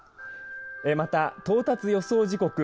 また、到達予想時刻